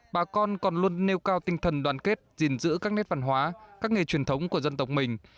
bà con còn luôn nêu cao tinh thần đoàn kết dình giữ các nét văn hóa các nghề truyền thống của dân tộc mình